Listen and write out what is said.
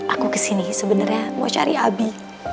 aku kesini sebenarnya mau cari abi